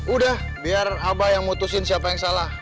udah biar abah yang mutusin siapa yang salah